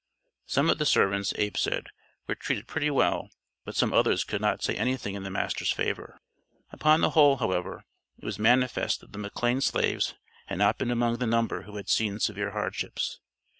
Some of the servants, Abe said, were "treated pretty well, but some others could not say anything in the master's favor." Upon the whole, however, it was manifest that the McLane slaves had not been among the number who had seen severe hardships.